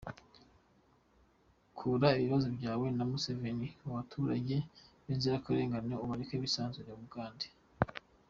Kura ibibazo byawe na Museveni mu baturage b’inzirakarengane ubareke bisanzure I Bugande